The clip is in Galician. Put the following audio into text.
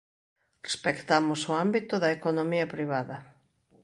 Respectamos o ámbito da economía privada.